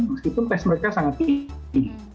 meskipun tes mereka sangat tinggi